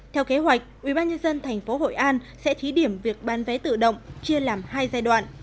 theo kế hoạch ubnd tp hội an sẽ thí điểm việc bán vé tự động chia làm hai giai đoạn